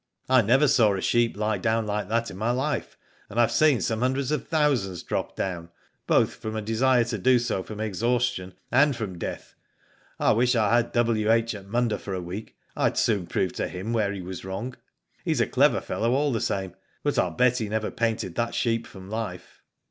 I never saw a sheep lie down like that in my life, and Fve seen some hundreds of thousands drop down, both from a desire to do so from exhaustion, and from death. I wish I had W.H. at Munda for a week rd soon prove to him where he was wrong. He's a clever fellow all the same, but Til bet he never painted that sheep from life."